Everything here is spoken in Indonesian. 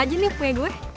ini punya gue